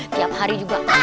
tiap hari juga